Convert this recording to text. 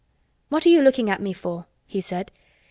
"What are you looking at me for?" he said.